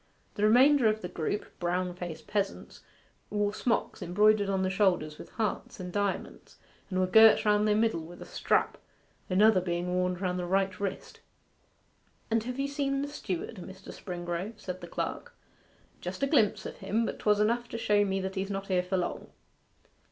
The remainder of the group, brown faced peasants, wore smock frocks embroidered on the shoulders with hearts and diamonds, and were girt round their middle with a strap, another being worn round the right wrist. 'And have you seen the steward, Mr. Springrove?' said the clerk. 'Just a glimpse of him; but 'twas just enough to show me that he's not here for long.